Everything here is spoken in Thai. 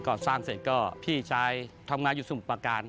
สร้างเสร็จก็พี่ชายทำงานอยู่สมุทรประการ